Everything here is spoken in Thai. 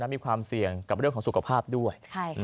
มีความเสี่ยงกับเรื่องของสุขภาพด้วย